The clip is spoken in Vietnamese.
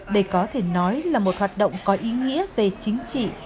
đây có thể nói là một hoạt động có ý nghĩa về chính trị